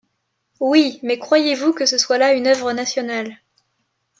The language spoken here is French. Oui, mais croyez-Vous que ce soit là une œuvre nationale?